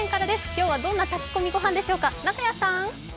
今日はどんな炊き込みご飯でしょうか。